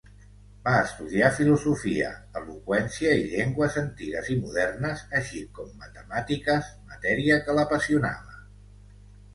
Va estudiar filosofia, eloqüència i llengües antigues i modernes, així com matemàtiques, matèria que l'apassionava.